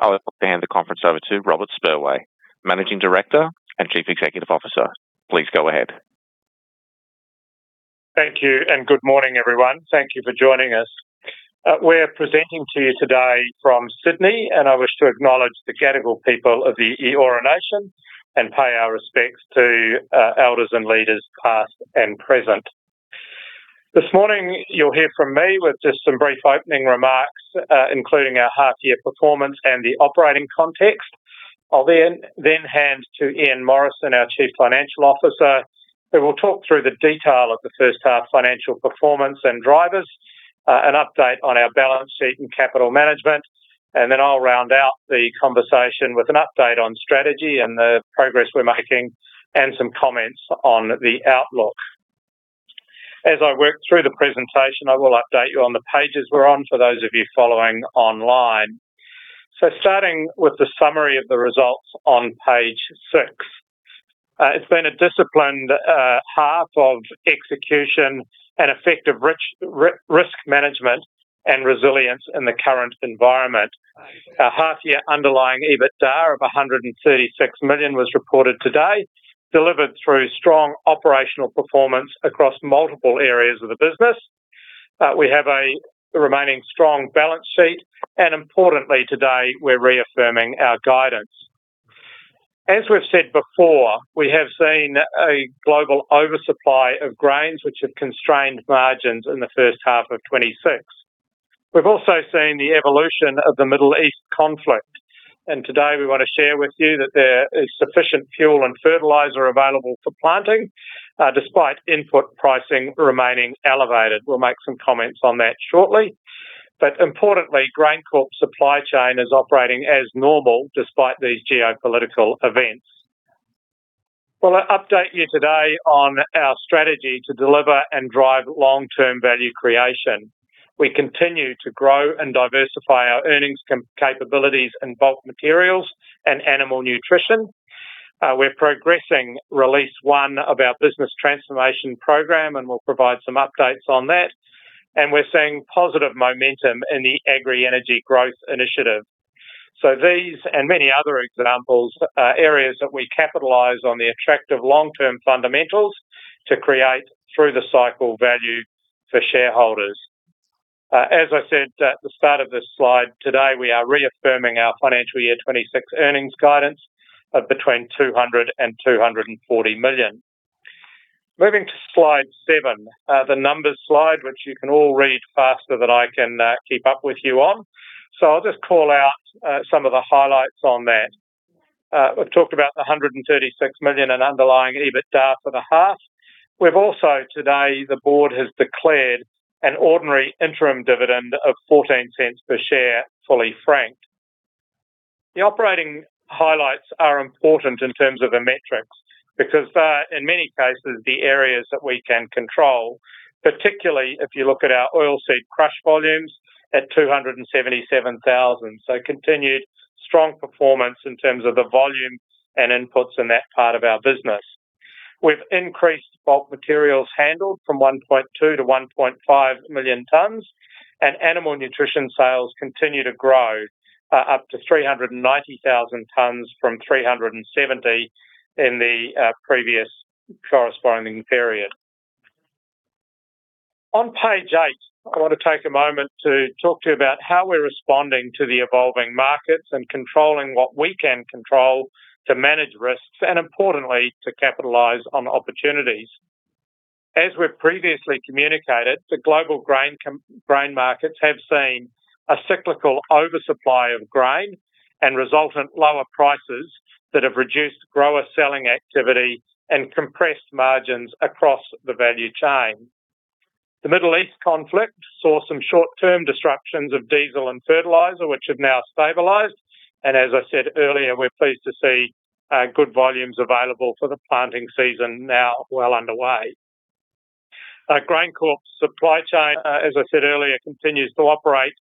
I'll now hand the conference over to Robert Spurway, Managing Director and Chief Executive Officer. Please go ahead. Thank you and good morning, everyone. Thank you for joining us. We're presenting to you today from Sydney, and I wish to acknowledge the Gadigal people of the Eora Nation and pay our respects to elders and leaders past and present. This morning, you'll hear from me with just some brief opening remarks, including our half year performance and the operating context. I'll then hand to Ian Morrison, our Chief Financial Officer, who will talk through the detail of the first half financial performance and drivers, an update on our balance sheet and capital management. Then I'll round out the conversation with an update on strategy and the progress we're making and some comments on the outlook. As I work through the presentation, I will update you on the pages we're on for those of you following online. Starting with the summary of the results on page six. It's been a disciplined half of execution and effective risk management and resilience in the current environment. Our half year underlying EBITDA of AUD 136 million was reported today, delivered through strong operational performance across multiple areas of the business. We have a remaining strong balance sheet, and importantly today we're reaffirming our guidance. As we've said before, we have seen a global oversupply of grains which have constrained margins in the first half of 2026. We've also seen the evolution of the Middle East conflict, and today we wanna share with you that there is sufficient fuel and fertilizer available for planting, despite input pricing remaining elevated. We'll make some comments on that shortly. Importantly, GrainCorp's supply chain is operating as normal despite these geopolitical events. Well, I update you today on our strategy to deliver and drive long-term value creation. We continue to grow and diversify our earnings capabilities in bulk materials and animal nutrition. We're progressing release one of our business transformation program, and we'll provide some updates on that. We're seeing positive momentum in the Agri-Energy growth initiative. These and many other examples are areas that we capitalize on the attractive long-term fundamentals to create through the cycle value for shareholders. As I said at the start of this slide, today we are reaffirming our FY 2026 earnings guidance of between 200 million and 240 million. Moving to slide seven, the numbers slide, which you can all read faster than I can keep up with you on. I'll just call out some of the highlights on that. We've talked about the 136 million in underlying EBITDA for the half. We've also today, the board has declared an ordinary interim dividend of 0.14 per share, fully franked. The operating highlights are important in terms of the metrics because they're, in many cases, the areas that we can control, particularly if you look at our oilseed crush volumes at 277,000. Continued strong performance in terms of the volume and inputs in that part of our business. We've increased bulk materials handled from 1.2 million-1.5 million tons, and animal nutrition sales continue to grow, up to 390,000 tons from 370 in the previous corresponding period. On page eight, I wanna take a moment to talk to you about how we're responding to the evolving markets and controlling what we can control to manage risks and importantly, to capitalize on opportunities. As we've previously communicated, the global grain markets have seen a cyclical oversupply of grain and resultant lower prices that have reduced grower selling activity and compressed margins across the value chain. The Middle East conflict saw some short-term disruptions of diesel and fertilizer, which have now stabilized, and as I said earlier, we're pleased to see good volumes available for the planting season now well underway. GrainCorp's supply chain, as I said earlier, continues to operate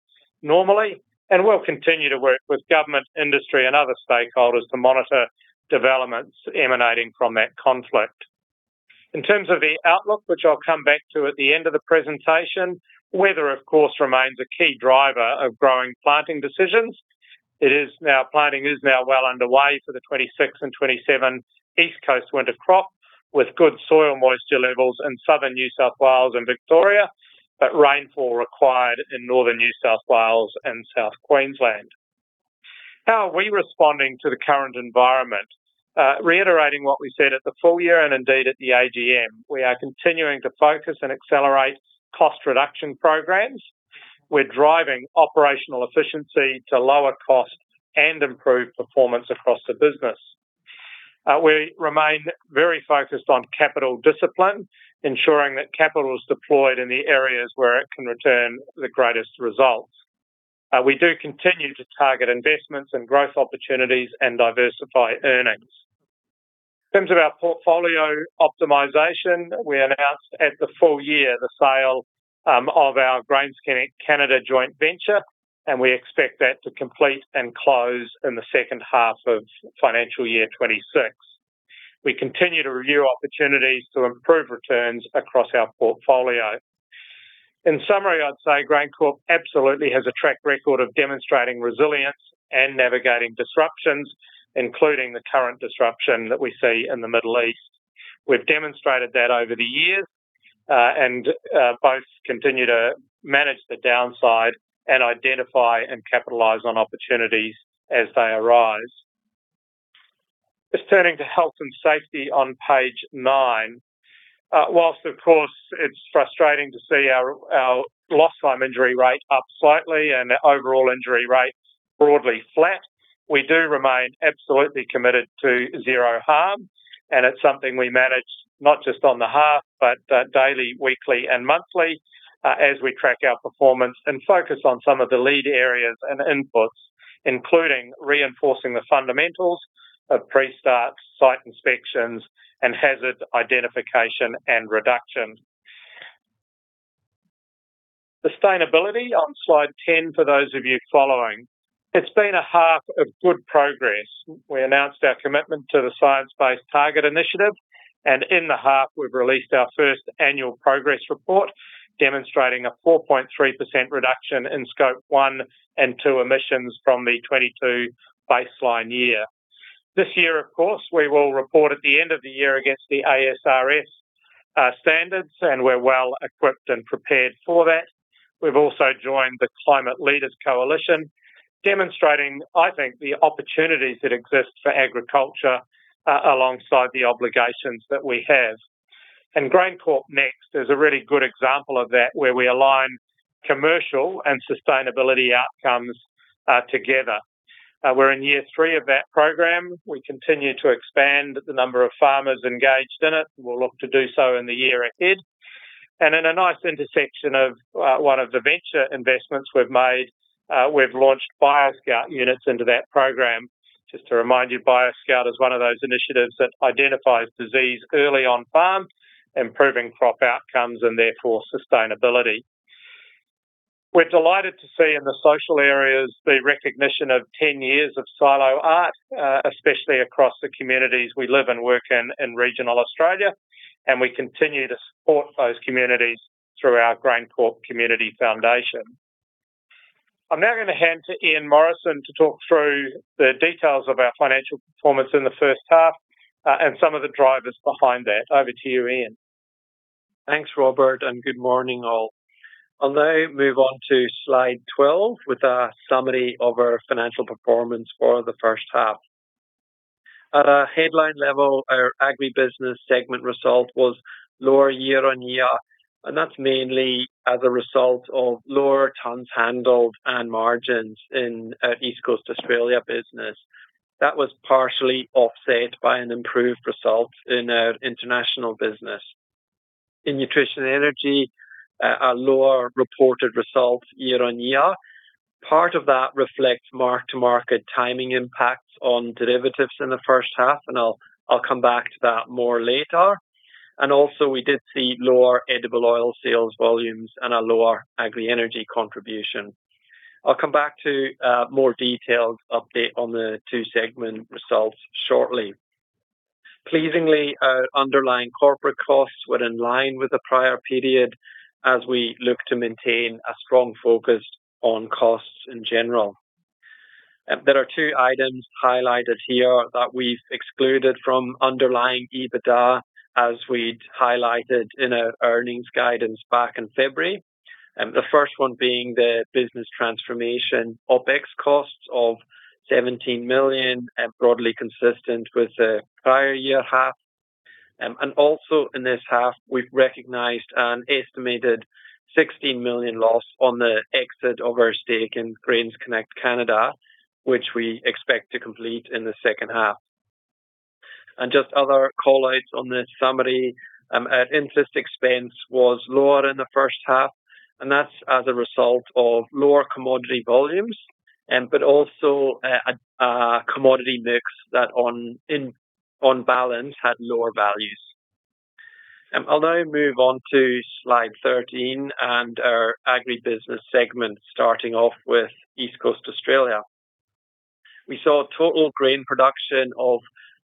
normally and will continue to work with government, industry, and other stakeholders to monitor developments emanating from that conflict. In terms of the outlook, which I'll come back to at the end of the presentation, weather, of course, remains a key driver of growing planting decisions. Planting is now well underway for the 2026 and 2027 East Coast winter crop with good soil moisture levels in Southern New South Wales and Victoria, but rainfall required in Northern New South Wales and South Queensland. How are we responding to the current environment? Reaffirming what we said at the full year and indeed at the AGM, we are continuing to focus and accelerate cost reduction programs. We're driving operational efficiency to lower cost and improve performance across the business. We remain very focused on capital discipline, ensuring that capital is deployed in the areas where it can return the greatest results. We do continue to target investments in growth opportunities and diversify earnings. In terms of our portfolio optimization, we announced at the full year the sale of our GrainsConnect Canada joint venture. We expect that to complete and close in the second half of financial year 2026. We continue to review opportunities to improve returns across our portfolio. In summary, I'd say GrainCorp absolutely has a track record of demonstrating resilience and navigating disruptions, including the current disruption that we see in the Middle East. We've demonstrated that over the years, and both continue to manage the downside and identify and capitalize on opportunities as they arise. Just turning to health and safety on page nine. Whilst of course it's frustrating to see our lost time injury rate up slightly and our overall injury rate broadly flat, we do remain absolutely committed to zero harm, and it's something we manage not just on the half but daily, weekly, and monthly as we track our performance and focus on some of the lead areas and inputs, including reinforcing the fundamentals of pre-start site inspections and hazard identification and reduction. Sustainability on slide 10 for those of you following. It's been a half of good progress. We announced our commitment to the Science Based Targets initiative, and in the half we've released our first annual progress report demonstrating a 4.3% reduction in Scope 1 and 2 emissions from the 2022 baseline year. This year, of course, we will report at the end of the year against the ASRS standards, and we're well equipped and prepared for that. We've also joined the Climate Leaders Coalition demonstrating, I think, the opportunities that exist for agriculture alongside the obligations that we have. GrainCorp Next is a really good example of that, where we align commercial and sustainability outcomes together. We're in year three of that program. We continue to expand the number of farmers engaged in it, and we'll look to do so in the year ahead. In a nice intersection of one of the venture investments we've made, we've launched BioScout units into that program. Just to remind you, BioScout is one of those initiatives that identifies disease early on farm, improving crop outcomes and therefore sustainability. We're delighted to see in the social areas the recognition of 10 years of silo art, especially across the communities we live and work in in regional Australia. We continue to support those communities through our GrainCorp Community Foundation. I'm now gonna hand to Ian Morrison to talk through the details of our financial performance in the first half, some of the drivers behind that. Over to you, Ian. Thanks, Robert, and good morning all. I'll now move on to slide 12 with a summary of our financial performance for the first half. At a headline level, our agribusiness segment result was lower year-on-year, and that's mainly as a result of lower tons handled and margins in our East Coast Australia business. That was partially offset by an improved result in our international business. In Nutrition & Energy, a lower reported result year-on-year. Part of that reflects mark-to-market timing impacts on derivatives in the first half, and I'll come back to that more later. Also we did see lower edible oil sales volumes and a lower Agri energy contribution. I'll come back to a more detailed update on the two segment results shortly. Pleasingly, our underlying corporate costs were in line with the prior period as we look to maintain a strong focus on costs in general. There are two items highlighted here that we've excluded from underlying EBITDA as we'd highlighted in our earnings guidance back in February. The first one being the business transformation OpEx costs of 17 million and broadly consistent with the prior year half. Also in this half, we've recognized an estimated 16 million loss on the exit of our stake in GrainsConnect Canada, which we expect to complete in the second half. Just other call-outs on this summary, our interest expense was lower in the first half, and that's as a result of lower commodity volumes, but also a commodity mix that on, in, on balance had lower values. I'll now move on to slide 13 and our agribusiness segment, starting off with East Coast Australia. We saw total grain production of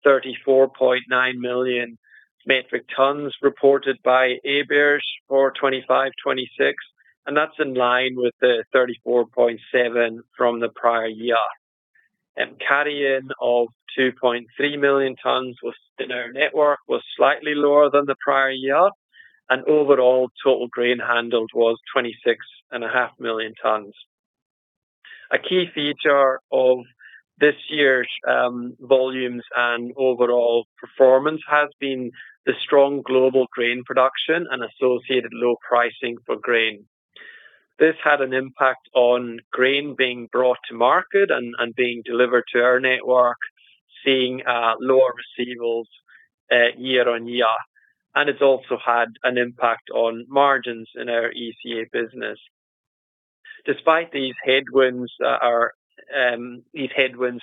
34.9 million metric tons reported by ABARES for 2025/2026, and that's in line with the 34.7 from the prior year. Carry-in of 2.3 million tons was in our network was slightly lower than the prior year, and overall total grain handled was 26.5 million tons. A key feature of this year's volumes and overall performance has been the strong global grain production and associated low pricing for grain. This had an impact on grain being brought to market and being delivered to our network, seeing lower receivables year-over-year. It's also had an impact on margins in our ECA business. Despite these headwinds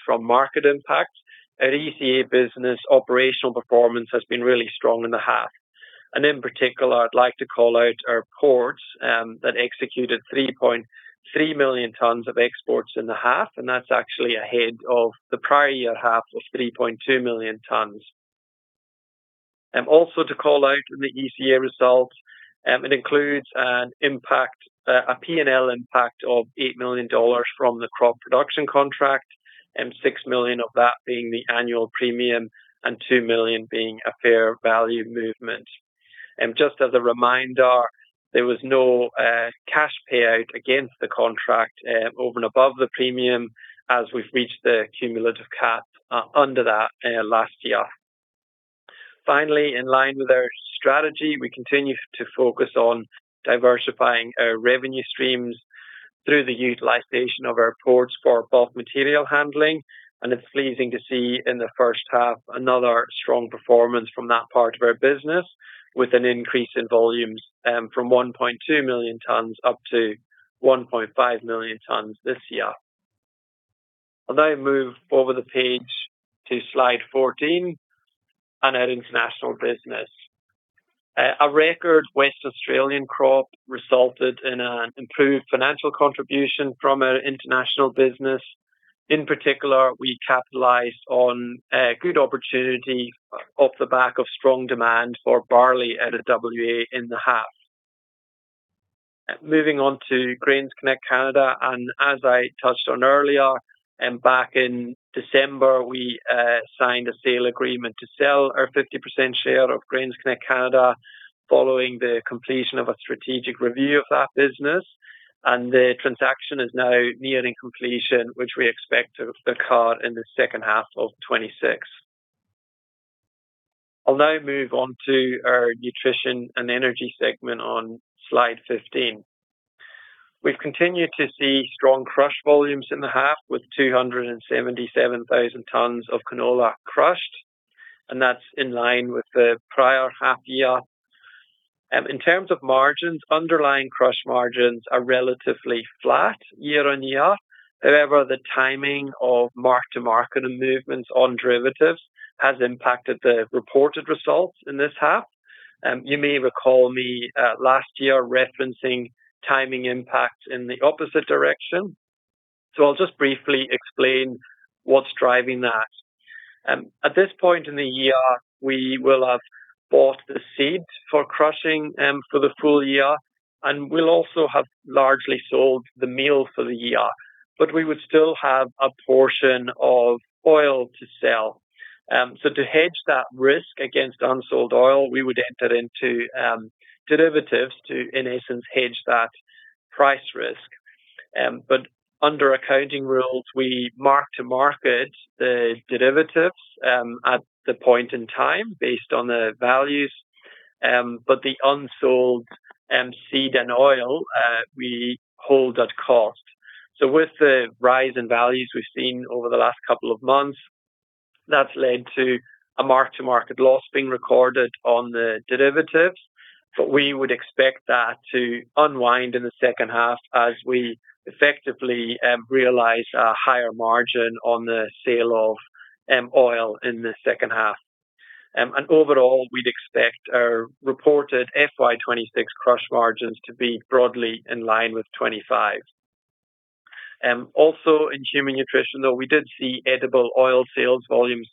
from market impacts, our ECA business operational performance has been really strong in the half. In particular, I'd like to call out our ports that executed 3.3 million tons of exports in the half, and that's actually ahead of the prior year half of 3.2 million tons. Also to call out in the ECA results, it includes an impact, a P&L impact of 8 million dollars from the crop production contract, 6 million of that being the annual premium, and 2 million being a fair value movement. Just as a reminder, there was no cash payout against the contract over and above the premium as we've reached the cumulative cap under that last year. Finally, in line with our strategy, we continue to focus on diversifying our revenue streams through the utilization of our ports for bulk material handling. It's pleasing to see in the first half another strong performance from that part of our business with an increase in volumes from 1.2 million tons up to 1.5 million tons this year. I'll now move over the page to slide 14 and our international business. A record West Australian crop resulted in an improved financial contribution from our international business. In particular, we capitalized on a good opportunity off the back of strong demand for barley out of WA in the half. Moving on to GrainsConnect Canada, as I touched on earlier, back in December, we signed a sale agreement to sell our 50% share of GrainsConnect Canada following the completion of a strategic review of that business. The transaction is now nearing completion, which we expect to occur in the second half of 2026. I'll now move on to our Nutrition & Energy segment on slide 15. We've continued to see strong crush volumes in the half with 277,000 tons of canola crushed, and that's in line with the prior half year. In terms of margins, underlying crush margins are relatively flat year-on-year. However, the timing of mark-to-market movements on derivatives has impacted the reported results in this half. You may recall me last year referencing timing impact in the opposite direction. I'll just briefly explain what's driving that. At this point in the year, we will have bought the seeds for crushing for the full year, and we'll also have largely sold the meal for the year. We would still have a portion of oil to sell. To hedge that risk against unsold oil, we would enter into derivatives to, in essence, hedge that price risk. Under accounting rules, we mark-to-market the derivatives at the point in time based on the values. The unsold seed and oil we hold at cost. With the rise in values we've seen over the last couple of months, that's led to a mark-to-market loss being recorded on the derivatives. We would expect that to unwind in the second half as we effectively realize a higher margin on the sale of oil in the second half. Overall, we'd expect our reported FY 2026 crush margins to be broadly in line with 2025. Also in human nutrition, though, we did see edible oil sales volumes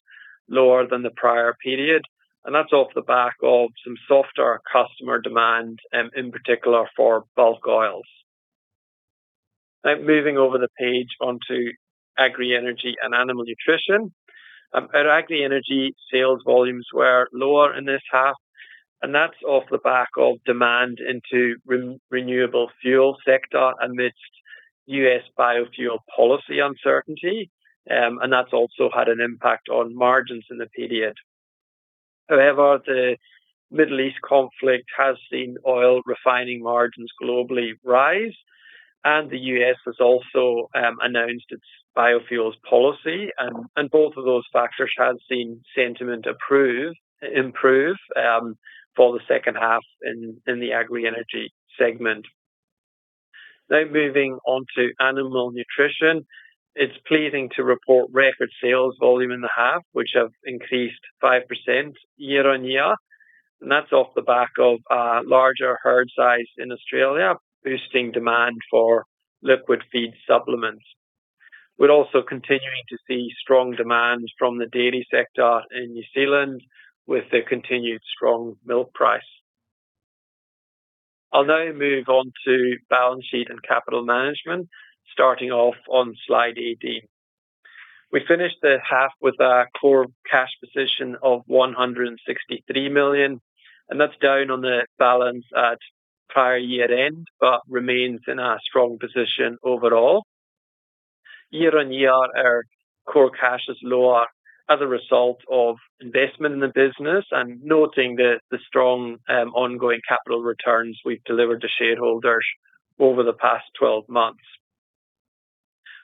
lower than the prior period, and that's off the back of some softer customer demand in particular for bulk oils. Moving over the page onto Agri Energy and Animal Nutrition. Our Agri Energy sales volumes were lower in this half, and that's off the back of demand into renewable fuel sector amidst U.S. biofuel policy uncertainty, and that's also had an impact on margins in the period. The Middle East conflict has seen oil refining margins globally rise, and the U.S. has also announced its biofuels policy, and both of those factors have seen sentiment improve for the second half in the Agri-Energy segment. Moving on to animal nutrition. It's pleasing to report record sales volume in the half, which have increased 5% year-on-year, and that's off the back of a larger herd size in Australia, boosting demand for liquid feed supplements. We're also continuing to see strong demand from the dairy sector in New Zealand with the continued strong milk price. I'll now move on to balance sheet and capital management, starting off on slide 18. We finished the half with a core cash position of 163 million. That's down on the balance at prior year-end, but remains in a strong position overall. Year on year, our core cash is lower as a result of investment in the business. Noting the strong ongoing capital returns we've delivered to shareholders over the past 12 months.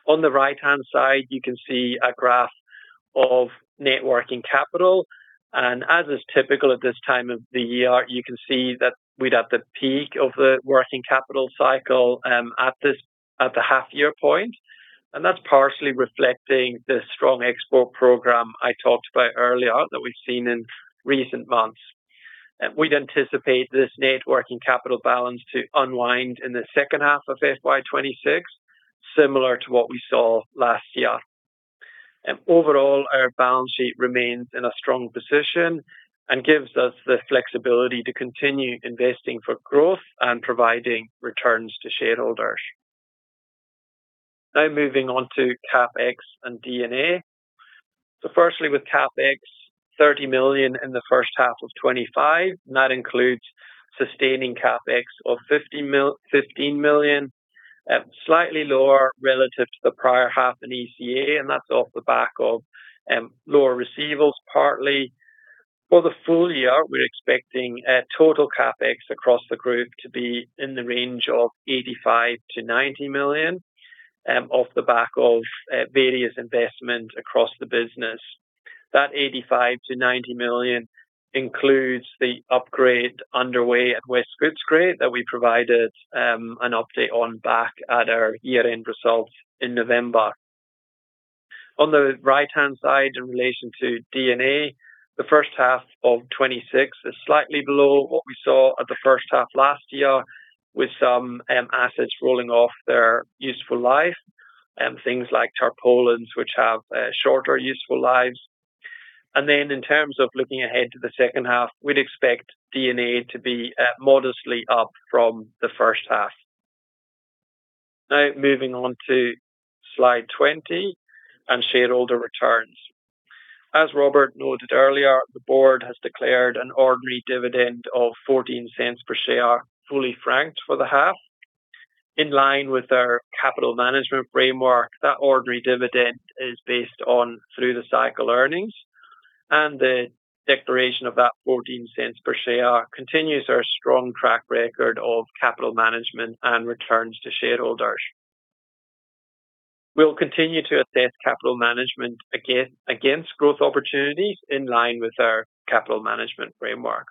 On the right-hand side, you can see a graph of net working capital. As is typical at this time of the year, you can see that we'd have the peak of the working capital cycle at the half year point. That's partially reflecting the strong export program I talked about earlier that we've seen in recent months. We'd anticipate this net working capital balance to unwind in the second half of FY 2026, similar to what we saw last year. Overall, our balance sheet remains in a strong position and gives us the flexibility to continue investing for growth and providing returns to shareholders. Moving on to CapEx and D&A. Firstly, with CapEx, 30 million in the first half of 2025. That includes sustaining CapEx of 15 million, slightly lower relative to the prior half in ECA, and that's off the back of lower receivables partly. For the full year, we're expecting total CapEx across the group to be in the range of 85 million-90 million, off the back of various investments across the business. That 85 million-90 million includes the upgrade underway at West Footscray that we provided an update on back at our year-end results in November. On the right-hand side, in relation to D&A, the first half of 2026 is slightly below what we saw at the first half last year, with some assets rolling off their useful life, things like tarpaulins, which have shorter useful lives. In terms of looking ahead to the second half, we'd expect D&A to be modestly up from the first half. Moving on to slide 20 and shareholder returns. As Robert noted earlier, the board has declared an ordinary dividend of 0.14 per share, fully franked for the half. In line with our capital management framework, that ordinary dividend is based on through-the-cycle earnings, the declaration of that 0.14 per share continues our strong track record of capital management and returns to shareholders. We'll continue to assess capital management against growth opportunities in line with our capital management framework.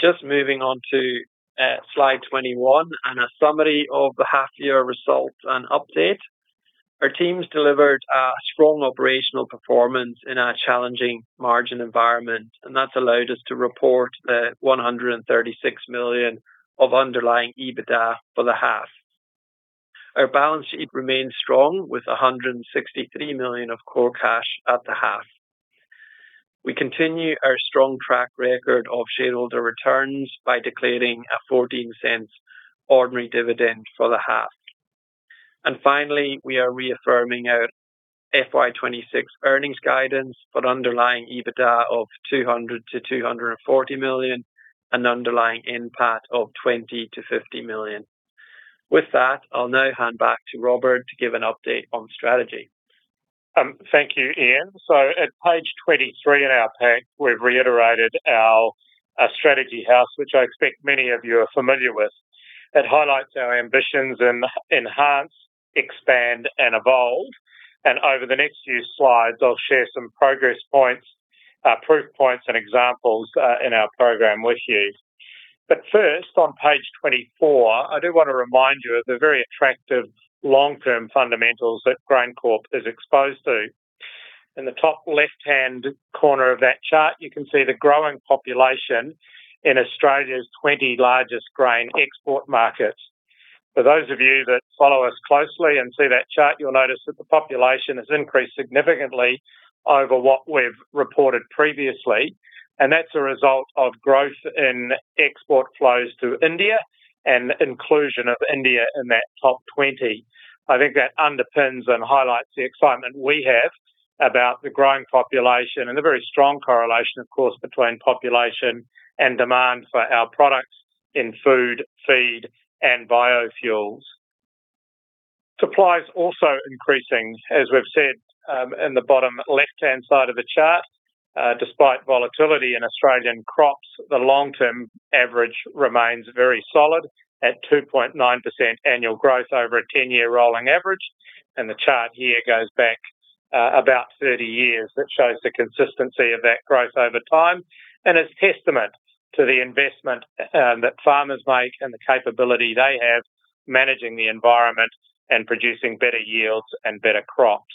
Just moving on to slide 21 and a summary of the half year results and update. Our teams delivered a strong operational performance in a challenging margin environment, that's allowed us to report the 136 million of underlying EBITDA for the half. Our balance sheet remains strong with 163 million of core cash at the half. We continue our strong track record of shareholder returns by declaring a 0.14 ordinary dividend for the half. Finally, we are reaffirming our FY 2026 earnings guidance for underlying EBITDA of 200 million-240 million and underlying NPAT of 20 million-50 million. With that, I'll now hand back to Robert to give an update on strategy. Thank you, Ian. At page 23 in our pack, we've reiterated our strategy house, which I expect many of you are familiar with. It highlights our ambitions in enhance, expand and evolve. Over the next few slides, I'll share some progress points, proof points and examples in our program with you. First, on page 24, I do wanna remind you of the very attractive long-term fundamentals that GrainCorp is exposed to. In the top left-hand corner of that chart, you can see the growing population in Australia's 20 largest grain export markets. For those of you that follow us closely and see that chart, you'll notice that the population has increased significantly over what we've reported previously, and that's a result of growth in export flows to India and inclusion of India in that top 20. I think that underpins and highlights the excitement we have about the growing population and the very strong correlation, of course, between population and demand for our products in food, feed, and biofuels. Supply is also increasing, as we've said, in the bottom left-hand side of the chart. Despite volatility in Australian crops, the long-term average remains very solid at 2.9% annual growth over a 10-year rolling average. The chart here goes back about 30 years. It shows the consistency of that growth over time, and it's testament to the investment that farmers make and the capability they have managing the environment and producing better yields and better crops.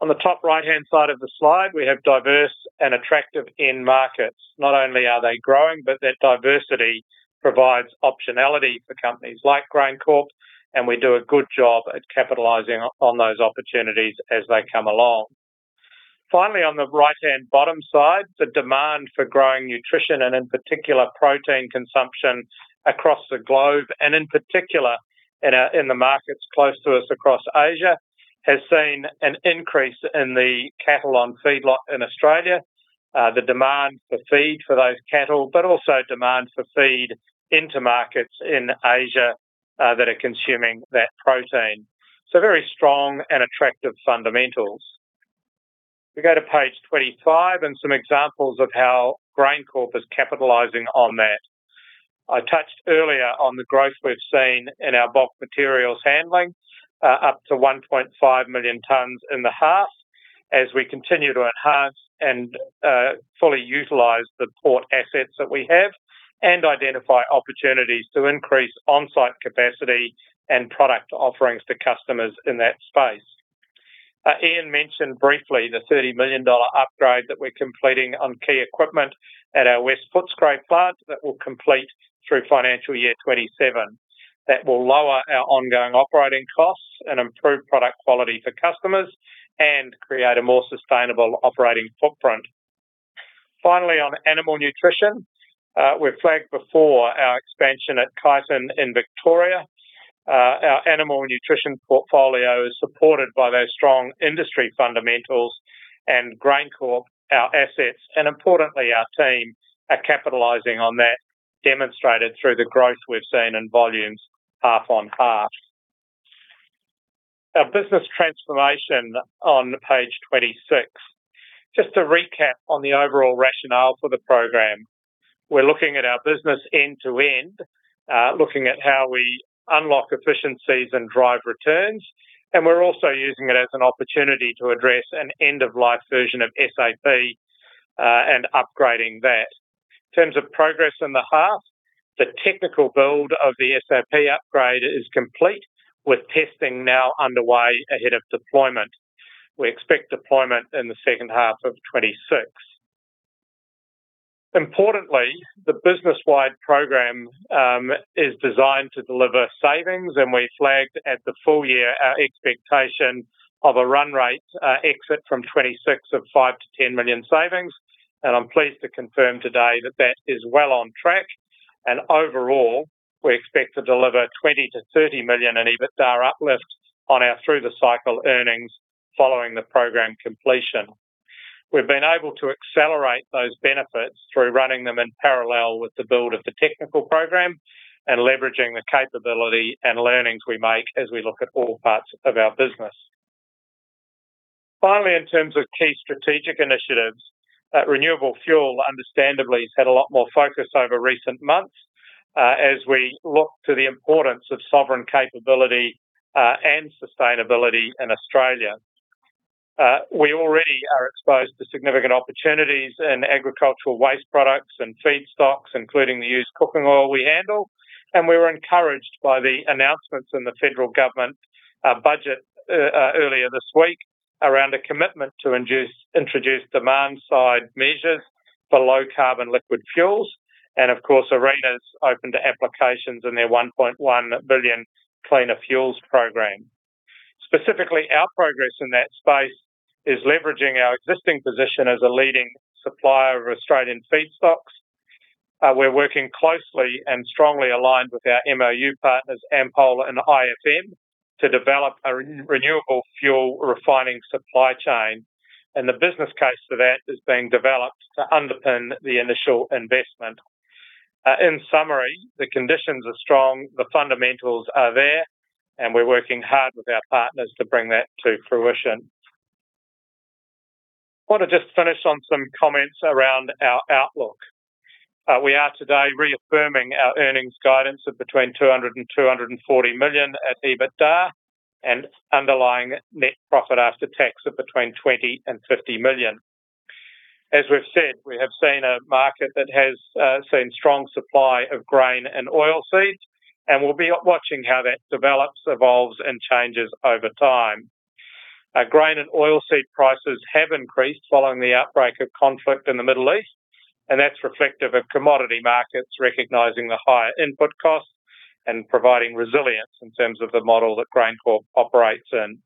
On the top right-hand side of the slide, we have diverse and attractive end markets. Not only are they growing, but that diversity provides optionality for companies like GrainCorp, and we do a good job at capitalizing on those opportunities as they come along. Finally, on the right-hand bottom side, the demand for growing nutrition and, in particular, protein consumption across the globe and in particular in the markets close to us across Asia, has seen an increase in the cattle on feedlot in Australia. The demand for feed for those cattle, but also demand for feed into markets in Asia that are consuming that protein. Very strong and attractive fundamentals. We go to page 25 and some examples of how GrainCorp is capitalizing on that. I touched earlier on the growth we've seen in our bulk materials handling, up to 1.5 million tons in the half as we continue to enhance and fully utilize the port assets that we have and identify opportunities to increase on-site capacity and product offerings to customers in that space. Ian mentioned briefly the 30 million dollar upgrade that we're completing on key equipment at our West Footscray plant that will complete through FY 2027. That will lower our ongoing operating costs and improve product quality for customers and create a more sustainable operating footprint. Finally, on Animal Nutrition, we've flagged before our expansion at Kyneton in Victoria. Our Animal Nutrition portfolio is supported by those strong industry fundamentals and GrainCorp, our assets, and importantly our team are capitalizing on that, demonstrated through the growth we've seen in volumes half on half. Our business transformation on page 26. Just to recap on the overall rationale for the program, we're looking at our business end-to-end, looking at how we unlock efficiencies and drive returns, and we're also using it as an opportunity to address an end-of-life version of SAP, and upgrading that. In terms of progress in the half, the technical build of the SAP upgrade is complete with testing now underway ahead of deployment. We expect deployment in the second half of 2026. Importantly, the business-wide program is designed to deliver savings, and we flagged at the full year our expectation of a run rate exit from 2026 of 5 million-10 million savings. I'm pleased to confirm today that that is well on track. Overall, we expect to deliver 20 million-30 million in EBITDA uplift on our through the cycle earnings following the program completion. We've been able to accelerate those benefits through running them in parallel with the build of the technical program and leveraging the capability and learnings we make as we look at all parts of our business. Finally, in terms of key strategic initiatives, renewable fuel understandably has had a lot more focus over recent months, as we look to the importance of sovereign capability and sustainability in Australia. We already are exposed to significant opportunities in agricultural waste products and feedstocks, including the used cooking oil we handle, and we were encouraged by the announcements in the federal government budget earlier this week around a commitment to introduce demand-side measures for low carbon liquid fuels. Of course, ARENA's open to applications in their 1.1 billion cleaner fuels program. Specifically, our progress in that space is leveraging our existing position as a leading supplier of Australian feedstocks. We're working closely and strongly aligned with our MoU partners, Ampol and IFM, to develop a renewable fuel refining supply chain, and the business case for that is being developed to underpin the initial investment. In summary, the conditions are strong, the fundamentals are there, and we're working hard with our partners to bring that to fruition. I wanna just finish on some comments around our outlook. We are today reaffirming our earnings guidance of between 200 million and 240 million at EBITDA and underlying net profit after tax of between 20 million and 50 million. As we've said, we have seen a market that has seen strong supply of grain and oilseeds. We'll be watching how that develops, evolves, and changes over time. Our grain and oilseed prices have increased following the outbreak of conflict in the Middle East. That's reflective of commodity markets recognizing the higher input costs and providing resilience in terms of the model that GrainCorp operates in.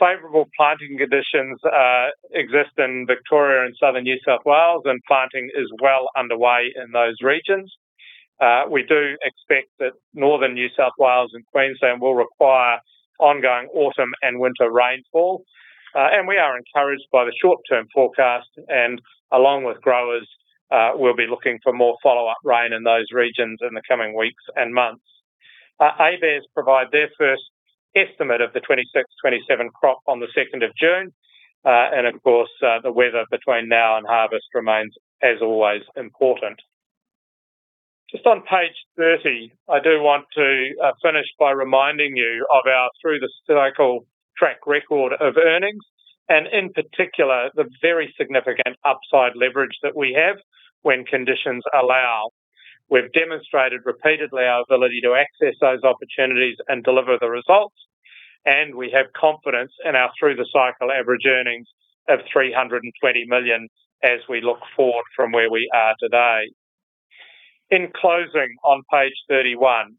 Favorable planting conditions exist in Victoria and Southern New South Wales. Planting is well underway in those regions. We do expect that Northern New South Wales and Queensland will require ongoing autumn and winter rainfall, we are encouraged by the short-term forecast and along with growers, we'll be looking for more follow-up rain in those regions in the coming weeks and months. ABARES provide their first estimate of the 2026, 2027 crop on the 2nd of June. Of course, the weather between now and harvest remains, as always, important. Just on page 30, I do want to finish by reminding you of our through the cycle track record of earnings and in particular, the very significant upside leverage that we have when conditions allow. We've demonstrated repeatedly our ability to access those opportunities and deliver the results. We have confidence in our through the cycle average earnings of 320 million as we look forward from where we are today. In closing, on page 31,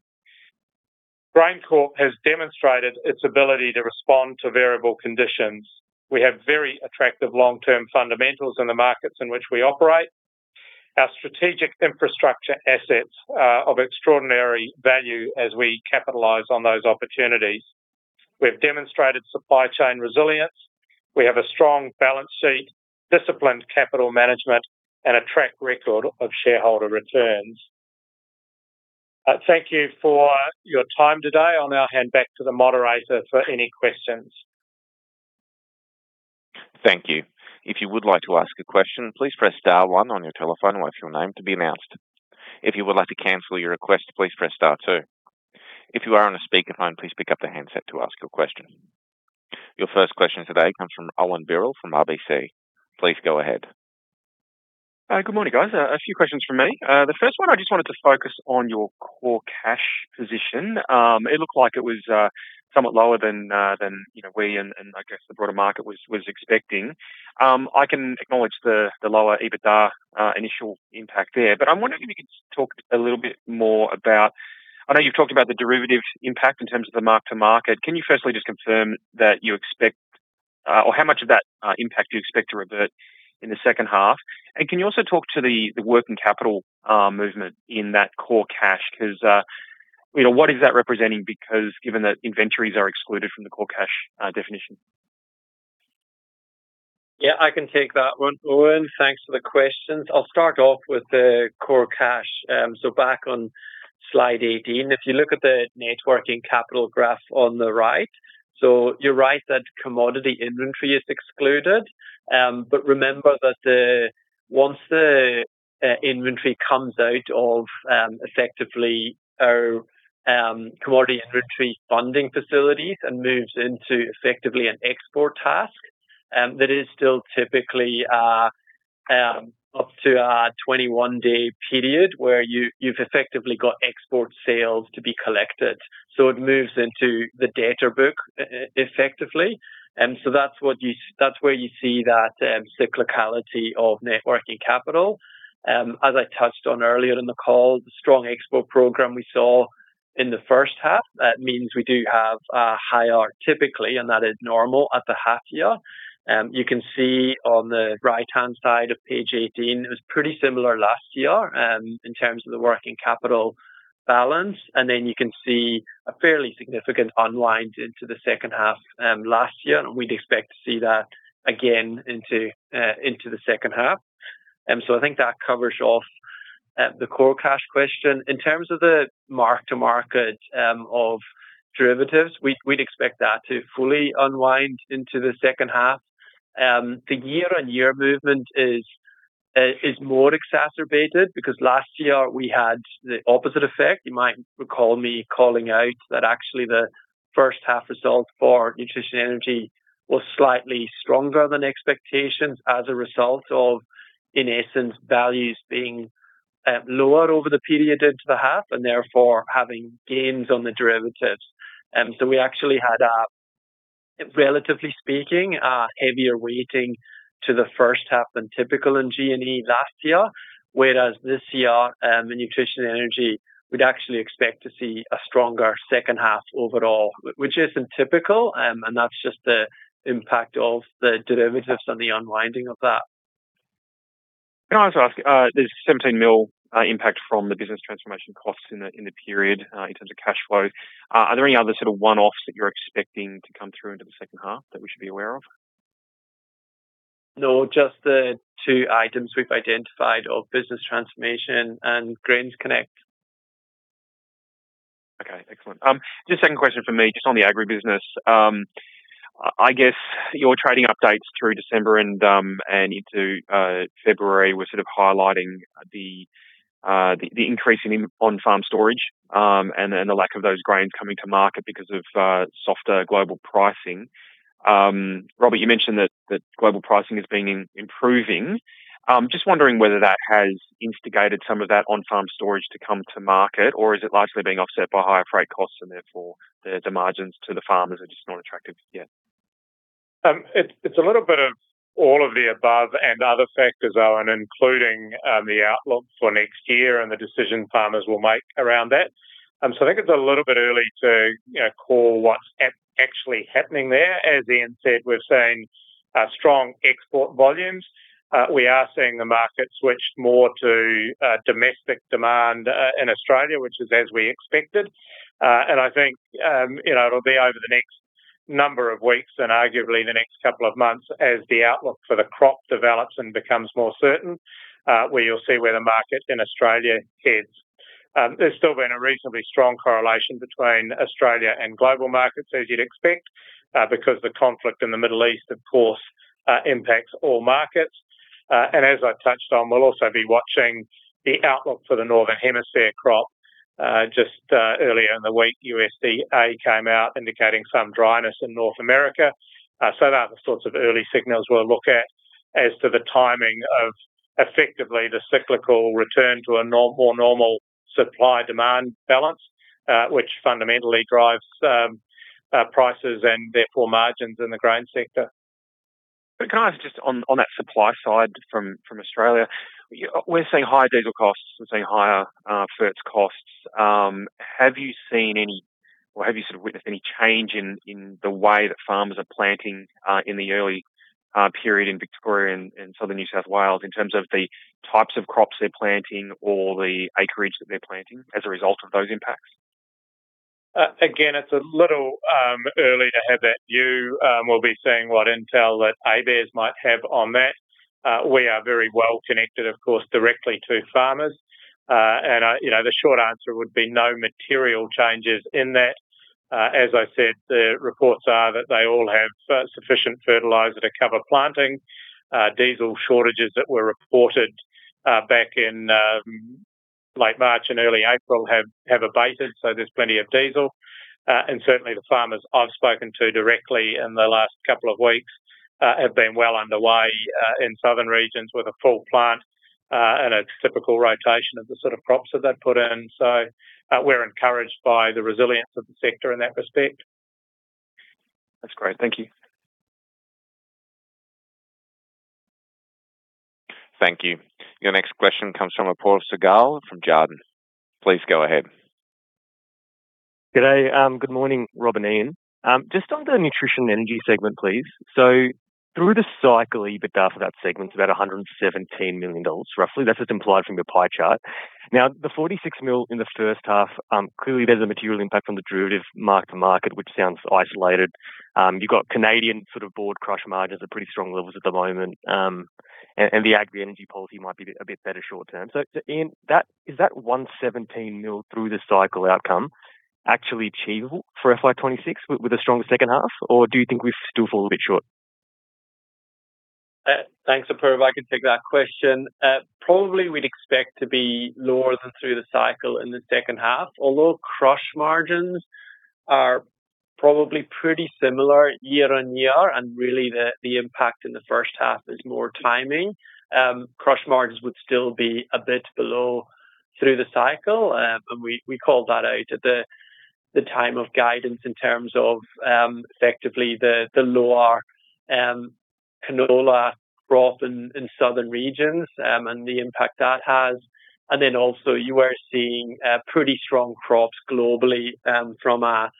GrainCorp has demonstrated its ability to respond to variable conditions. We have very attractive long-term fundamentals in the markets in which we operate. Our strategic infrastructure assets are of extraordinary value as we capitalize on those opportunities. We've demonstrated supply chain resilience. We have a strong balance sheet, disciplined capital management, and a track record of shareholder returns. Thank you for your time today. I'll now hand back to the moderator for any questions. Your first question today comes from Owen Birrell from RBC. Please go ahead. Good morning, guys. A few questions from me. The first one, I just wanted to focus on your core cash position. It looked like it was somewhat lower than, you know, we and I guess the broader market was expecting. I can acknowledge the lower EBITDA initial impact there. I'm wondering if you could talk a little bit more about I know you've talked about the derivative impact in terms of the mark-to-market. Can you firstly just confirm that you expect, or how much of that impact you expect to revert in the second half? Can you also talk to the working capital movement in that core cash? Cause, you know, what is that representing? Because given that inventories are excluded from the core cash definition. Yeah, I can take that one, Owen. Thanks for the questions. I'll start off with the core cash. Back on slide 18, if you look at the networking capital graph on the right. You're right that commodity inventory is excluded. Remember that once the inventory comes out of effectively our commodity inventory funding facilities and moves into effectively an export task, that is still typically up to a 21-day period where you've effectively got export sales to be collected. It moves into the debtor book effectively. That's where you see that cyclicality of networking capital. As I touched on earlier in the call, the strong export program we saw in the first half, that means we do have a high arc typically, and that is normal at the half year. You can see on the right-hand side of page 18, it was pretty similar last year, in terms of the working capital balance, then you can see a fairly significant unwind into the second half, last year, and we'd expect to see that again into the second half. I think that covers off the core cash question. In terms of the mark-to-market of derivatives, we'd expect that to fully unwind into the second half. The year-on-year movement is more exacerbated because last year we had the opposite effect. You might recall me calling out that actually the first half results for Nutrition and Energy was slightly stronger than expectations as a result of, in essence, values being lower over the period into the half and therefore having gains on the derivatives. We actually had a, relatively speaking, a heavier weighting to the first half than typical in N&E last year. This year, in Nutrition and Energy, we'd actually expect to see a stronger second half overall, which isn't typical, and that's just the impact of the derivatives and the unwinding of that. Can I also ask, there's something new impact from the business transformation costs in the period, in terms of cash flow. Are there any other sort of one-offs that you're expecting to come through into the second half that we should be aware of? No, just the two items we've identified of business transformation and GrainsConnect. Okay. Excellent. Just second question from me, just on the agribusiness. I guess your trading updates through December and into February was sort of highlighting the increase in on-farm storage and then the lack of those grains coming to market because of softer global pricing. Robert, you mentioned that global pricing has been improving. Just wondering whether that has instigated some of that on-farm storage to come to market, or is it likely being offset by higher freight costs and therefore the margins to the farmers are just not attractive yet? It's a little bit of all of the above and other factors, Owen, including the outlook for next year and the decisions farmers will make around that. I think it's a little bit early to, you know, call what's actually happening there. As Ian said, we're seeing strong export volumes. We are seeing the market switch more to domestic demand in Australia, which is as we expected. I think, you know, it'll be over the next number of weeks and arguably the next couple of months as the outlook for the crop develops and becomes more certain, where you'll see where the market in Australia heads. There's still been a reasonably strong correlation between Australia and global markets, as you'd expect, because the conflict in the Middle East, of course, impacts all markets. As I touched on, we'll also be watching the outlook for the Northern Hemisphere crop. Just earlier in the week, USDA came out indicating some dryness in North America. They are the sorts of early signals we'll look at as to the timing of effectively the cyclical return to a more normal supply-demand balance, which fundamentally drives prices and therefore margins in the grain sector. Can I ask just on that supply side from Australia. We're seeing higher diesel costs, we're seeing higher ferts costs. Have you seen any or have you sort of witnessed any change in the way that farmers are planting in the early period in Victoria and Southern New South Wales in terms of the types of crops they're planting or the acreage that they're planting as a result of those impacts? Again, it's a little early to have that view. We'll be seeing what intel that ABARES might have on that. We are very well connected, of course, directly to farmers. You know, the short answer would be no material changes in that. As I said, the reports are that they all have sufficient fertilizer to cover planting. Late March and early April have abated. There's plenty of diesel. Certainly the farmers I've spoken to directly in the last couple of weeks have been well underway in southern regions with a full plant and a typical rotation of the sort of crops that they put in. We're encouraged by the resilience of the sector in that respect. That's great. Thank you. Thank you. Your next question comes from Apoorv Sehgal from Jarden. Please go ahead. G'day. Good morning, Rob and Ian. Just on the Nutrition & Energy segment, please. Through the cycle, EBITDA for that segment is about 117 million dollars, roughly. That's what's implied from your pie chart. The 46 million in the first half, clearly there's a material impact from the derivative mark-to-market, which sounds isolated. You've got canola board crush margins at pretty strong levels at the moment. The agri energy policy might be a bit better short term. Ian, is that 117 million through the cycle outcome actually achievable for FY 2026 with a stronger second half? Do you think we still fall a bit short? Thanks, Apoorv. I can take that question. Probably we'd expect to be lower than through the cycle in the second half, although crush margins are probably pretty similar year-over-year, and really the impact in the first half is more timing. Crush margins would still be a bit below through the cycle. We called that out at the time of guidance in terms of effectively the lower canola crop in southern regions, and the impact that has. You are seeing pretty strong crops globally from canola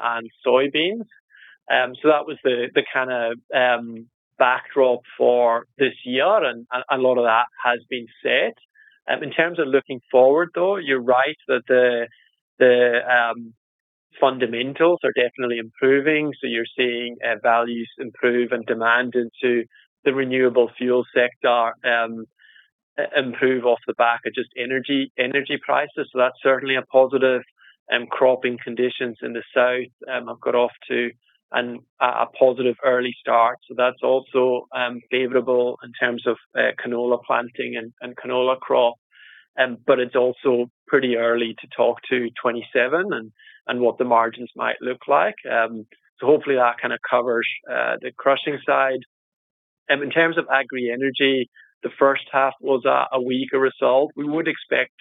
and soybeans. That was the kinda backdrop for this year and a lot of that has been set. In terms of looking forward, though, you're right that the fundamentals are definitely improving. You're seeing values improve and demand into the renewable fuel sector improve off the back of just energy prices. That's certainly a positive. Cropping conditions in the south have got off to a positive early start, that's also favorable in terms of canola planting and canola crop. It's also pretty early to talk to 27 and what the margins might look like. Hopefully that kind of covers the crushing side. In terms of Agri-Energy, the first half was a weaker result. We would expect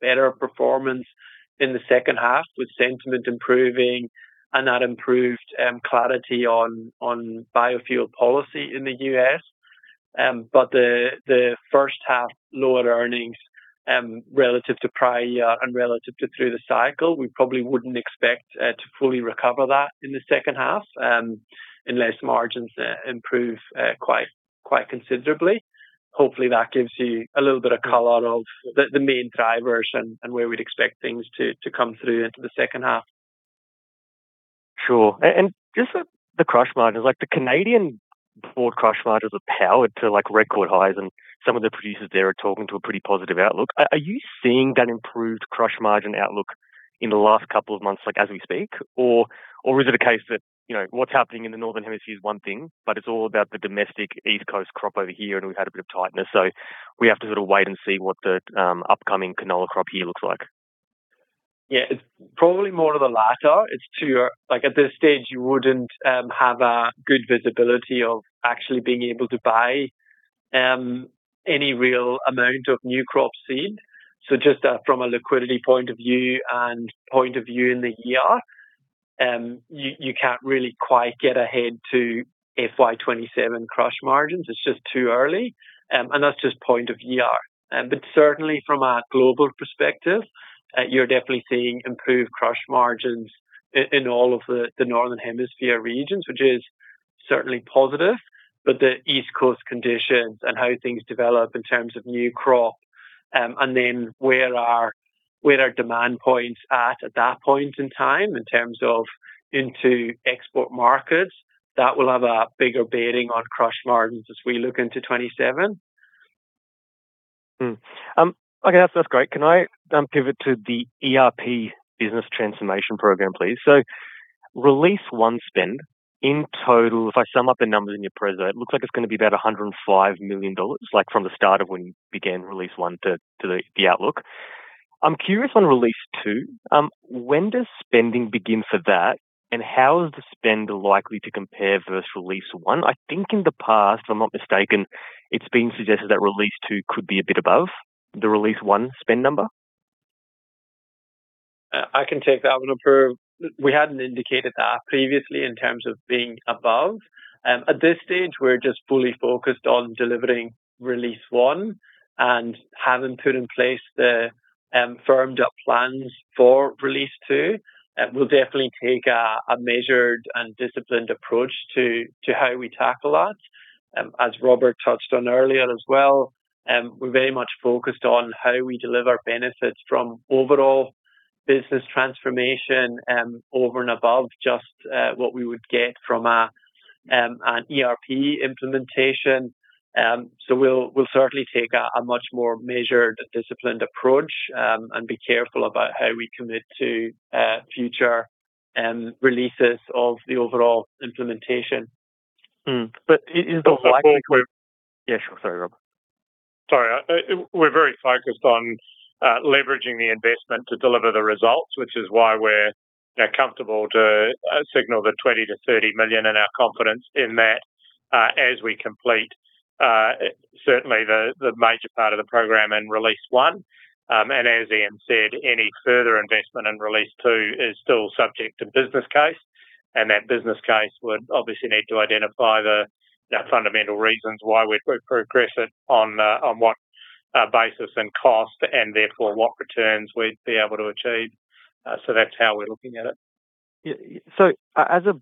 better performance in the second half with sentiment improving and that improved clarity on biofuel policy in the U.S. The first half lower earnings, relative to prior year and relative to through the cycle, we probably wouldn't expect to fully recover that in the second half, unless margins improve quite considerably. Hopefully, that gives you a little bit of color of the main drivers and where we'd expect things to come through into the second half. Sure. And just on the crush margins, like the canola board crush margins are powered to like record highs and some of the producers there are talking to a pretty positive outlook. Are you seeing that improved crush margin outlook in the last two months, like, as we speak? Or is it a case that, you know, what's happening in the northern hemisphere is one thing, but it's all about the domestic East Coast crop over here, and we've had a bit of tightness. We have to sort of wait and see what the upcoming canola crop here looks like. Yeah. It's probably more of the latter. Like, at this stage, you wouldn't have a good visibility of actually being able to buy any real amount of new crop seed. Just from a liquidity point of view and point of view in the year, you can't really quite get ahead to FY 2027 crush margins. It's just too early. That's just point of year. Certainly from a global perspective, you're definitely seeing improved crush margins in all of the northern hemisphere regions, which is certainly positive. The East Coast conditions and how things develop in terms of new crop, demand points at that point in time in terms of into export markets, that will have a bigger bearing on crush margins as we look into 2027. Okay. That's great. Can I pivot to the ERP business transformation program, please? Release 1 spend in total, if I sum up the numbers in your presentation, it looks like it's gonna be about 105 million dollars, like from the start of when you began Release 1 to the outlook. I'm curious on Release 2. When does spending begin for that, and how is the spend likely to compare versus release 1? I think in the past, if I'm not mistaken, it's been suggested that Release 2 could be a bit above the Release 1 spend number. I can take that one, Apoorv. We hadn't indicated that previously in terms of being above. At this stage, we're just fully focused on delivering release one and having put in place the firmed up plans for Release 2. We'll definitely take a measured and disciplined approach to how we tackle that. As Robert touched on earlier as well, we're very much focused on how we deliver benefits from overall business transformation over and above just what we would get from an ERP implementation. We'll certainly take a much more measured, disciplined approach and be careful about how we commit to future releases of the overall implementation. Hmm. But is it likely. Well, the fourth. Yeah, sure. Sorry, Rob. We're very focused on leveraging the investment to deliver the results, which is why we're, you know, comfortable to signal the 20 million-30 million in our confidence in that as we complete certainly the major part of the program in Release 1. As Ian said, any further investment in Release 2 is still subject to business case, and that business case would obviously need to identify the, you know, fundamental reasons why we'd progress it on on what basis and cost and therefore what returns we'd be able to achieve. That's how we're looking at it. Yeah. As a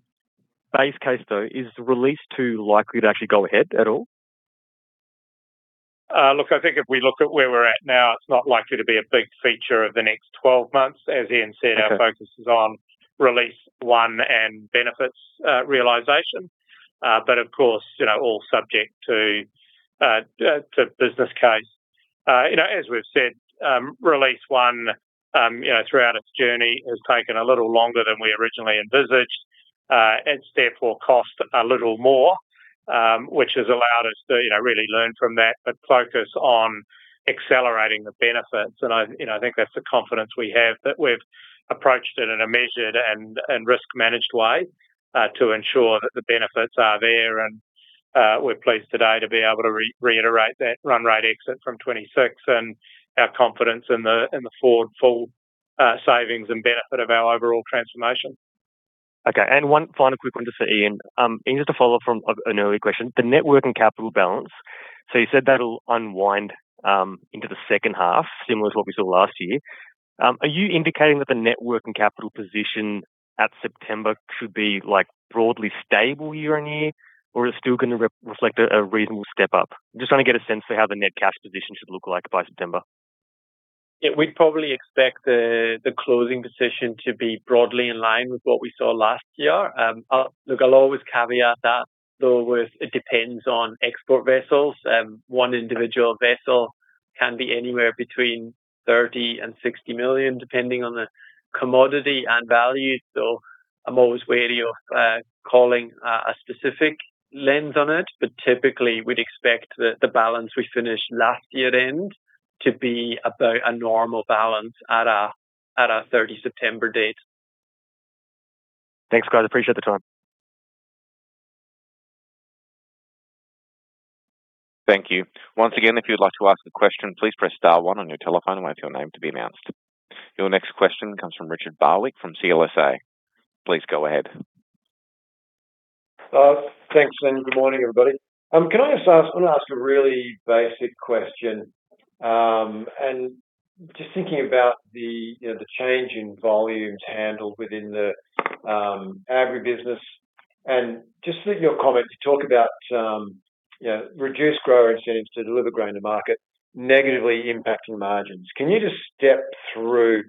base case though, is Release 2 likely to actually go ahead at all? Look, I think if we look at where we're at now, it's not likely to be a big feature of the next 12 months. As Ian said. Okay Our focus is on Release 1 and benefits, realization. Of course, you know, all subject to business case. You know as we've said, Release 1, you know throughout its journey has taken a little longer than we originally envisaged and therefore cost a little more, which has allowed us to, you know, really learn from that, but focus on accelerating the benefits. I, you know, I think that's the confidence we have, that we've approached it in a measured and risk managed way to ensure that the benefits are there. We're pleased today to be able to reiterate that run rate exit from 2026 and our confidence in the forward full savings and benefit of our overall transformation. Okay. One final quick one just for Ian. Ian, just to follow up from an earlier question, the net working capital balance. You said that'll unwind into the second half, similar to what we saw last year. Are you indicating that the net working capital position at September should be like broadly stable year-on-year, or is it still gonna re-reflect a reasonable step up? Just trying to get a sense for how the net cash position should look like by September. Yeah. We'd probably expect the closing position to be broadly in line with what we saw last year. Look, I'll always caveat that though with it depends on export vessels. One individual vessel can be anywhere between 30 million and 60 million, depending on the commodity and value. I'm always wary of calling a specific lens on it, but typically we'd expect the balance we finished last year end to be about a normal balance at a 30 September date. Thanks, guys. Appreciate the time. Thank you. Once again, if you'd like to ask a question, please press star one on your telephone and wait for your name to be announced. Your next question comes from Richard Barwick from CLSA. Please go ahead. Thanks, and good morning, everybody. Can I just ask, I wanna ask a really basic question. Just thinking about the, you know, the change in volumes handled within the agribusiness. Just in your comments, you talk about, you know, reduced grower incentives to deliver grain to market negatively impacting margins. Can you just step through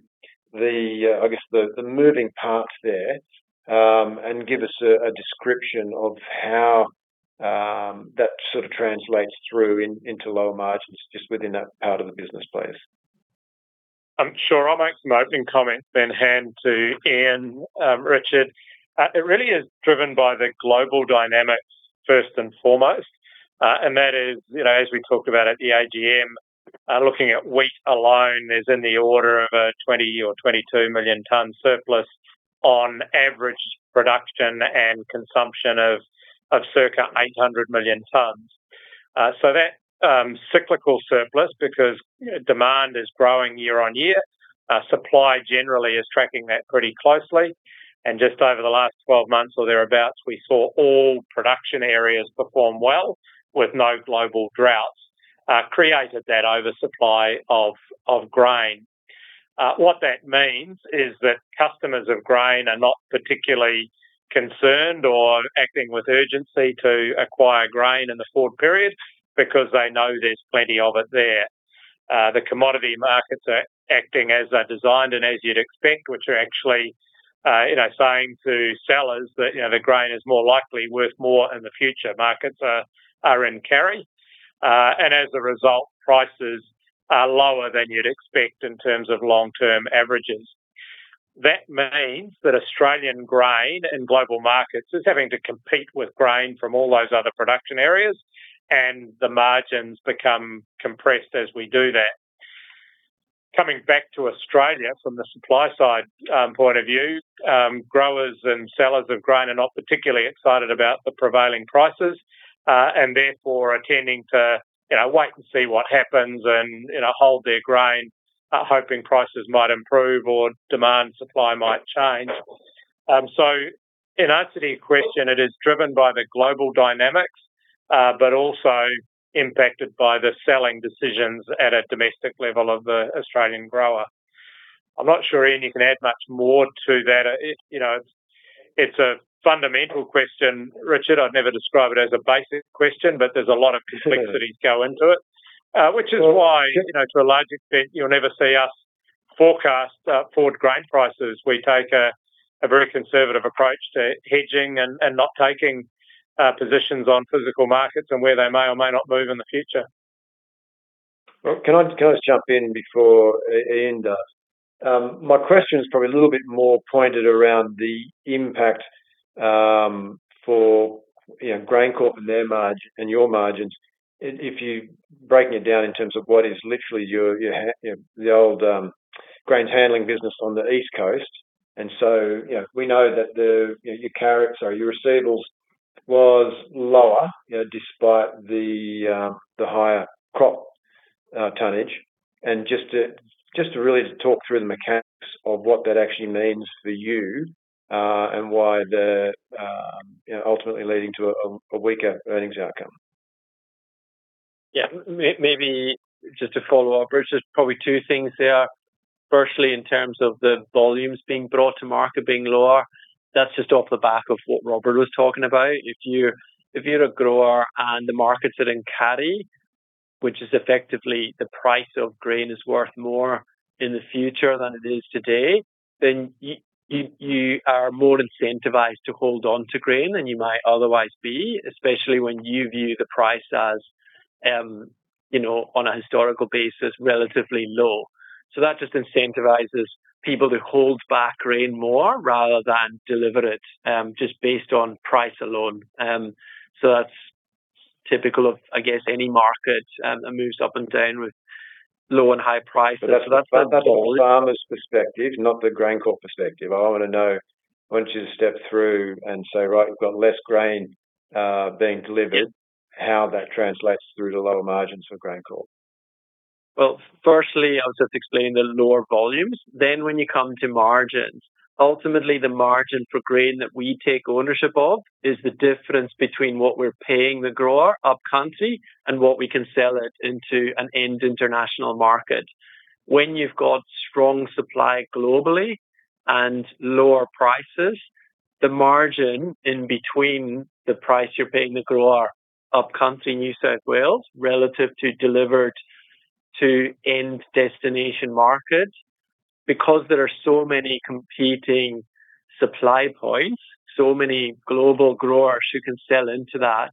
the, I guess the moving parts there, and give us a description of how that sort of translates through into lower margins just within that part of the business, please? Sure. I'll make some opening comments then hand to Ian. Richard, it really is driven by the global dynamics first and foremost. That is, you know, as we talked about at the AGM, looking at wheat alone is in the order of a 20 or 22 million ton surplus on average production and consumption of circa 800 million tons. That cyclical surplus because demand is growing year on year. Supply generally is tracking that pretty closely. Just over the last 12 months or thereabouts, we saw all production areas perform well with no global droughts, created that oversupply of grain. What that means is that customers of grain are not particularly concerned or acting with urgency to acquire grain in the forward period because they know there's plenty of it there. The commodity markets are acting as they're designed and as you'd expect, which are actually, you know, saying to sellers that, you know, the grain is more likely worth more in the future. Markets are in carry. As a result, prices are lower than you'd expect in terms of long-term averages. That means that Australian grain in global markets is having to compete with grain from all those other production areas, and the margins become compressed as we do that. Coming back to Australia from the supply side, point of view, growers and sellers of grain are not particularly excited about the prevailing prices, and therefore are tending to, you know, wait and see what happens and, you know, hold their grain, hoping prices might improve or demand supply might change. In answer to your question, it is driven by the global dynamics, but also impacted by the selling decisions at a domestic level of the Australian grower. I'm not sure, Ian, you can add much more to that. It, you know, it's a fundamental question, Richard. I'd never describe it as a basic question, but there's a lot of complexities go into it. You know, to a large extent, you'll never see us forecast, forward grain prices. We take a very conservative approach to hedging and not taking positions on physical markets and where they may or may not move in the future. Well, can I just jump in before Ian does? My question is probably a little bit more pointed around the impact, for, you know, GrainCorp and their margin and your margins. If you're breaking it down in terms of what is literally your, the old, grains handling business on the East Coast. You know, we know that the, your carry or your receivables was lower, you know, despite the higher crop tonnage. Just to really to talk through the mechanics of what that actually means for you, and why the, you know, ultimately leading to a weaker earnings outcome. Yeah. Maybe just to follow up, Rich, there's probably two things there. Firstly, in terms of the volumes being brought to market being lower, that's just off the back of what Robert was talking about. If you're a grower and the market's at in carry, which is effectively the price of grain is worth more in the future than it is today, then you are more incentivized to hold on to grain than you might otherwise be, especially when you view the price as, you know, on a historical basis, relatively low. That just incentivizes people to hold back grain more rather than deliver it, just based on price alone. That's typical of, I guess, any market that moves up and down with low and high prices. That's a farmer's perspective, not the GrainCorp perspective. I want you to step through and say, "Right, we've got less grain being delivered," how that translates through to lower margins for GrainCorp. Well, firstly, I'll just explain the lower volumes. When you come to margins, ultimately, the margin for grain that we take ownership of is the difference between what we're paying the grower upcountry and what we can sell it into an end international market. When you've got strong supply globally and lower prices, the margin in between the price you're paying the grower upcountry New South Wales relative to delivered to end destination market, because there are so many competing supply points, so many global growers who can sell into that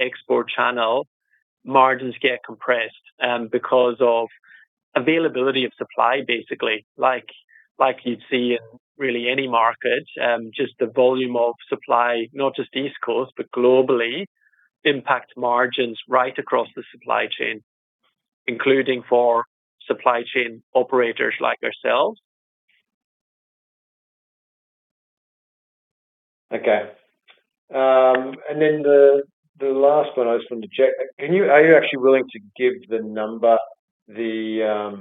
export channel, margins get compressed because of availability of supply, basically. Like you'd see in really any market, just the volume of supply, not just East Coast, but globally, impact margins right across the supply chain, including for supply chain operators like ourselves. Okay. Then the last one I just wanted to check. Are you actually willing to give the number, the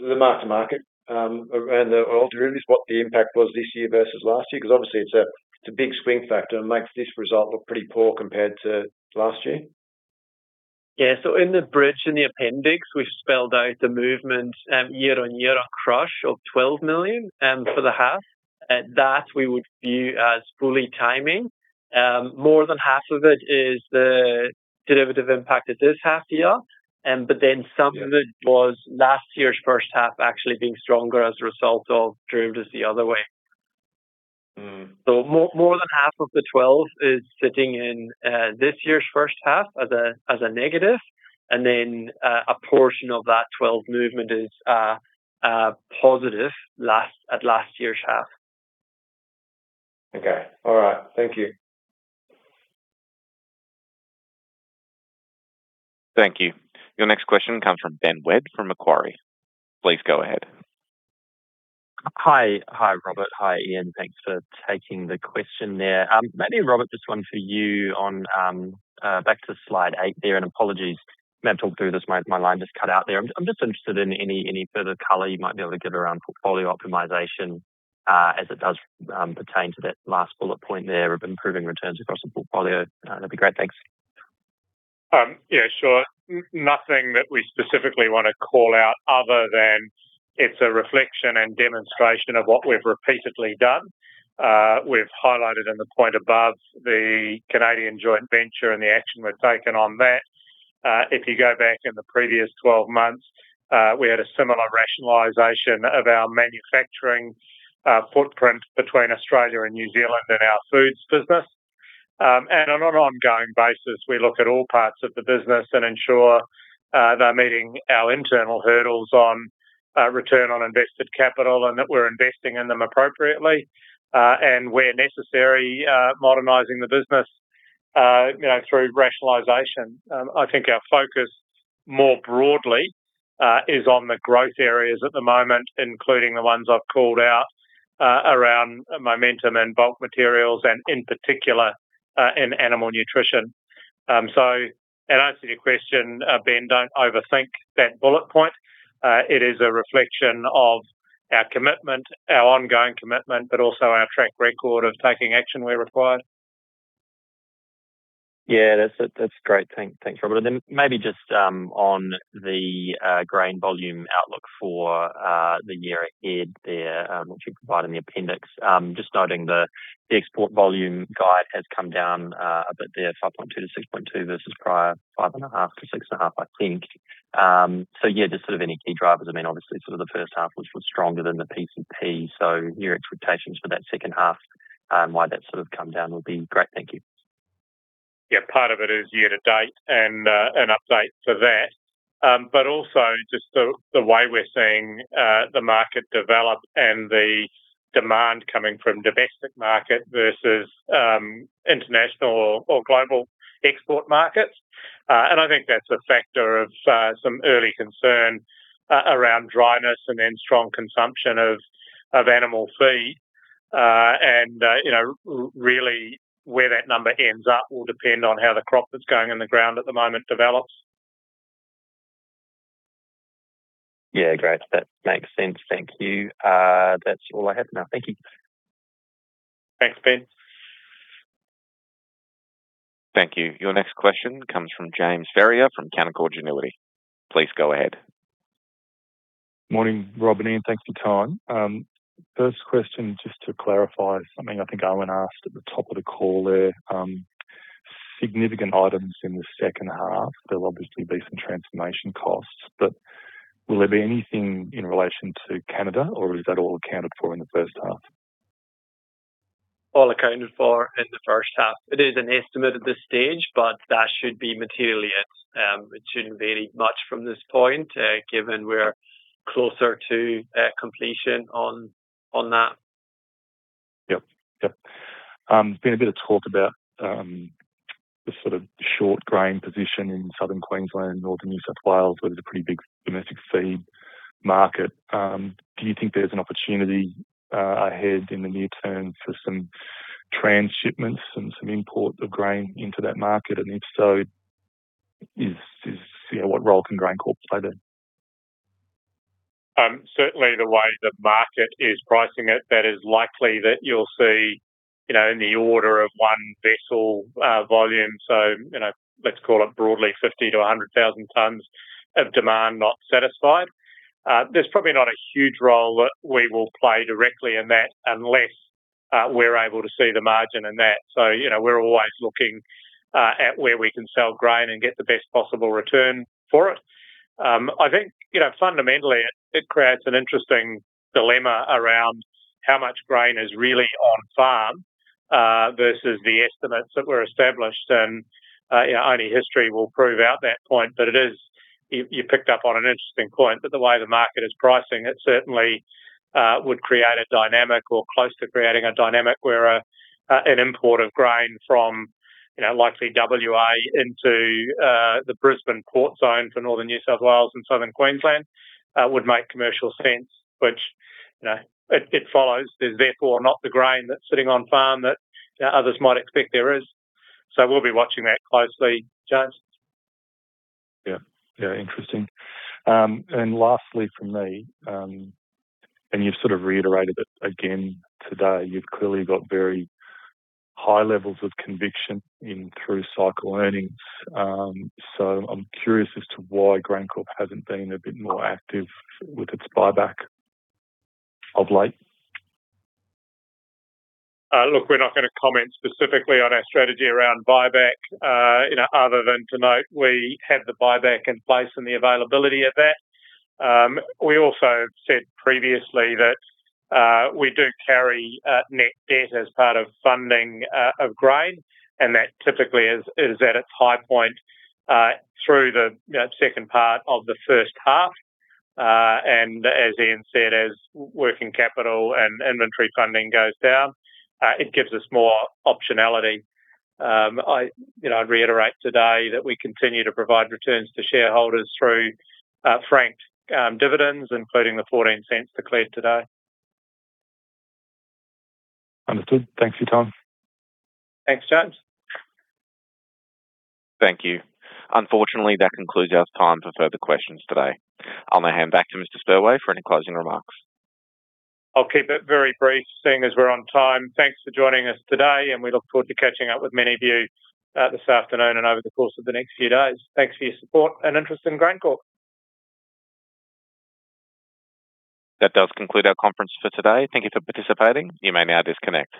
mark-to-market, around the oil derivatives, what the impact was this year versus last year? Because obviously it's a big swing factor and makes this result look pretty poor compared to last year. In the bridge in the appendix, we've spelled out the movement year-on-year on crush of 12 million for the half. That we would view as fully timing. More than half of it is the derivative impact of this half year. Of it was last year's first half actually being stronger as a result of derivatives the other way, more than half of the 12 is sitting in this year's first half as a negative. A portion of that 12 movement is positive at last year's half. Okay. All right. Thank you. Thank you. Your next question comes from Ben Webb from Macquarie. Please go ahead. Hi, Robert. Hi, Ian. Thanks for taking the question there. Maybe, Robert, just one for you on back to slide eight there, and apologies, maybe I talked through this. My line just cut out there. I'm just interested in any further color you might be able to give around portfolio optimization, as it does pertain to that last bullet point there of improving returns across the portfolio. That'd be great. Thanks. Yeah, sure. Nothing that we specifically wanna call out other than it's a reflection and demonstration of what we've repeatedly done. We've highlighted in the point above the Canadian joint venture and the action we've taken on that. If you go back in the previous 12 months, we had a similar rationalization of our manufacturing footprint between Australia and New Zealand and our foods business. On an ongoing basis, we look at all parts of the business and ensure they're meeting our internal hurdles on return on invested capital and that we're investing in them appropriately and where necessary, modernizing the business, you know, through rationalization. I think our focus more broadly is on the growth areas at the moment, including the ones I've called out, around momentum and bulk materials and in particular, in animal nutrition. In answer to your question, Ben, don't overthink that bullet point. It is a reflection of our commitment, our ongoing commitment, but also our track record of taking action where required. That's great. Thanks, Robert. Maybe just on the grain volume outlook for the year ahead there, which you provide in the appendix. Just noting the export volume guide has come down a bit there, 5.2-6.2 versus prior 5.5-6.5, I think. Any key drivers? I mean, obviously the first half, which was stronger than the PCP, so your expectations for that second half and why that come down will be great. Thank you. Part of it is year to date and an update to that. Also just the way we're seeing the market develop and the demand coming from domestic market versus international or global export markets. I think that's a factor of some early concern around dryness and then strong consumption of animal feed. You know, really where that number ends up will depend on how the crop that's going in the ground at the moment develops. Yeah, great. That makes sense. Thank you. That's all I have now. Thank you. Thanks, Ben. Thank you. Your next question comes from James Ferrier from Canaccord Genuity. Please go ahead. Morning, Robert and Ian. Thanks for your time. First question, just to clarify something I think Owen asked at the top of the call there, significant items in the second half. There'll obviously be some transformation costs, but will there be anything in relation to Canada or is that all accounted for in the first half? All accounted for in the first half. It is an estimate at this stage, but that should be materially it. It shouldn't vary much from this point, given we're closer to completion on that. Yep. There's been a bit of talk about the sort of short grain position in Southern Queensland, Northern New South Wales, where there's a pretty big domestic feed market. Do you think there's an opportunity ahead in the near term for some trans shipments and some import of grain into that market? If so, you know, what role can GrainCorp play there? Certainly the way the market is pricing it, that is likely that you'll see, you know, in the order of one vessel volume, so, you know, let's call it broadly 50,000-100,000 tons of demand not satisfied. There's probably not a huge role that we will play directly in that unless we're able to see the margin in that. You know, we're always looking at where we can sell grain and get the best possible return for it. I think, you know, fundamentally it creates an interesting dilemma around how much grain is really on farm versus the estimates that were established. You know, only history will prove out that point. You picked up on an interesting point that the way the market is pricing, it certainly would create a dynamic or close to creating a dynamic where an import of grain from likely W.A. into the Brisbane Port Zone for northern New South Wales and southern Queensland would make commercial sense, which it follows. There's therefore not the grain that's sitting on farm that others might expect there is. We'll be watching that closely, James. Yeah. Very interesting. Lastly from me, and you've sort of reiterated it again today, you've clearly got very high levels of conviction in through cycle earnings. I'm curious as to why GrainCorp hasn't been a bit more active with its buyback of late? Look, we're not gonna comment specifically on our strategy around buyback, you know, other than to note we have the buyback in place and the availability of that. We also said previously that we do carry net debt as part of funding of grain, and that typically is at its high point through the, you know, second part of the first half. As Ian said, as working capital and inventory funding goes down, it gives us more optionality. I, you know, I'd reiterate today that we continue to provide returns to shareholders through franked dividends, including the 0.14 declared today. Understood. Thanks for your time. Thanks, James. Thank you. Unfortunately, that concludes our time for further questions today. I'll now hand back to Mr. Spurway for any closing remarks. I'll keep it very brief, seeing as we're on time. Thanks for joining us today, and we look forward to catching up with many of you this afternoon and over the course of the next few days. Thanks for your support and interest in GrainCorp. That does conclude our conference for today. Thank you for participating. You may now disconnect.